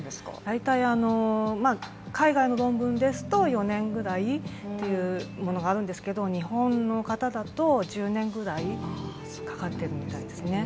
大体海外の論文ですと４年ぐらいというものがあるんですけど日本の方だと１０年ぐらいかかってるみたいですね。